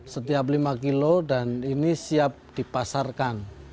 setiap lima kilo dan ini siap dipasarkan